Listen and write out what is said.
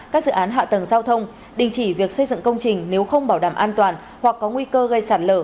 các dự án hạ tầng giao thông đình chỉ việc xây dựng công trình nếu không bảo đảm an toàn hoặc có nguy cơ gây sạt lở